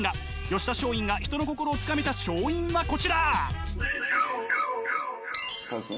吉田松陰が人の心をつかめた勝因はこちら！